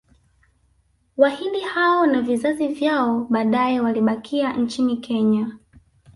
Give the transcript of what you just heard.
Wahindi hao na vizazi vyao baadae walibakia nchini Kenya